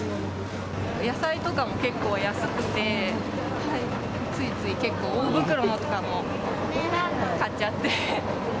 野菜とかも結構安くて、ついつい結構、大袋のとかも買っちゃって。